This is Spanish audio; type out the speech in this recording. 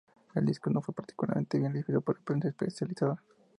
El disco no fue particularmente bien recibido por la prensa especializada.